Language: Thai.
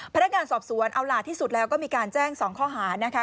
พนักงานสอบสวนเอาล่ะที่สุดแล้วก็มีการแจ้ง๒ข้อหานะคะ